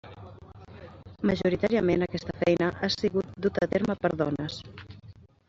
Majoritàriament aquesta feina ha sigut duta a terme per dones.